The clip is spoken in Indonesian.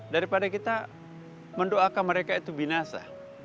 daripada kita mendoakan mereka itu binasa